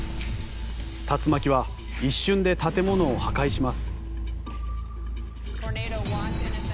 竜巻は一瞬で建物を破壊します。